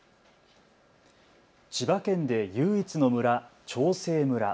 千葉県で唯一の村、長生村。